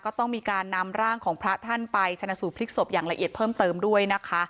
ก็ต้องมีการนำร่างของพระท่านไปชนะสูตรพลิกศพอย่างละเอียดเพิ่มเติมด้วยนะคะ